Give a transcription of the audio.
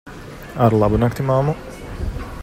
Ar labu nakti, mammu.